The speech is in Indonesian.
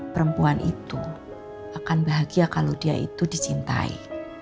perempuan itu akan bahagia kalau dia itu dicintai